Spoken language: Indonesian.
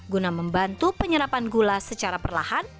guna membantu penyerapan gula secara perlahan